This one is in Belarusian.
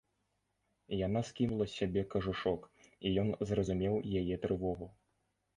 Яна скінула з сябе кажушок, і ён зразумеў яе трывогу.